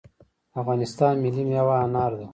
د افغانستان ملي میوه انار ده